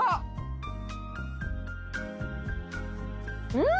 うん！